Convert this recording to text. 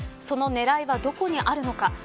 その狙いはどこにあるのか。